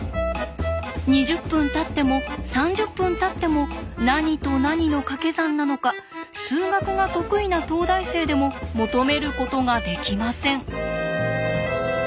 ２０分たっても３０分たっても何と何のかけ算なのか数学が得意な東大生でも求めることができません。